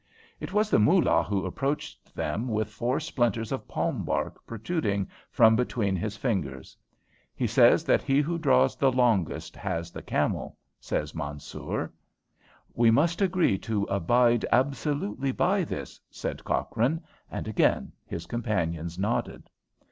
It was the Moolah who approached them with four splinters of palm bark protruding from between his fingers. "He says that he who draws the longest has the camel," says Mansoor. "We must agree to abide absolutely by this," said Cochrane, and again his companions nodded.